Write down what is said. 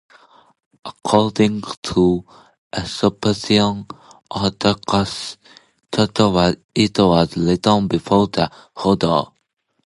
According to the Ethiopian Orthodox Church it was written before the Flood.